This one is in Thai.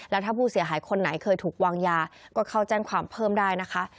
แล้วถ้าผู้เสียหายคนไหนเคยถูกวางยาก็เข้าแจ้งความเพิ่มได้นะคะ